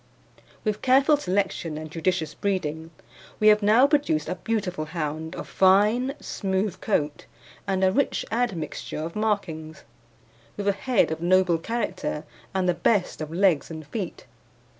With careful selection and judicious breeding we have now produced a beautiful hound of fine smooth coat, and a rich admixture of markings, with a head of noble character and the best of legs and feet.